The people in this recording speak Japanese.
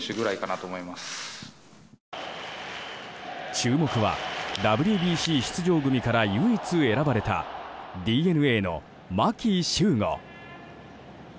注目はＷＢＣ出場組から唯一、選ばれたＤｅＮＡの牧秀悟。